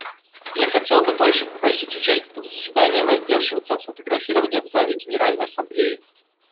Я хотел бы также просить участников заседания воздерживаться от фотографирования в зале Генеральной Ассамблеи.